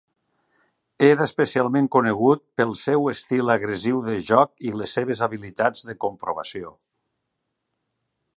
Era especialment conegut pel seu estil agressiu de joc i les seves habilitats de comprovació.